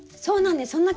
そうなんです。